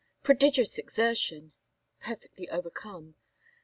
"prodigious exertion!" "perfectly overcome!"